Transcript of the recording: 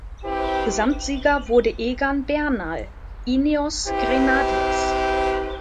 Gesamtsieger wurde Egan Bernal (Ineos Grenadiers).